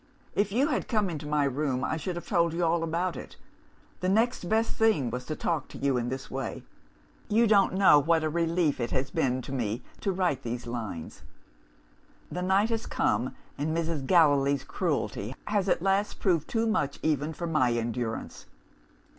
If you had come into my room, I should have told you all about it. The next best thing was to talk to you in this way. You don't know what a relief it has been to me to write these lines." "The night has come, and Mrs. Gallilee's cruelty has at last proved too much even for my endurance.